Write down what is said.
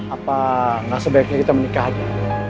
apa nggak sebaiknya kita menikah aja